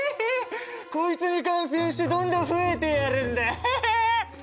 こいつに感染してどんどん増えてやるんだハハッ。